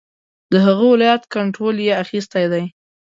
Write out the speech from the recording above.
د هغه ولایت کنټرول یې اخیستی دی.